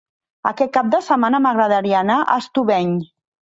Aquest cap de setmana m'agradaria anar a Estubeny.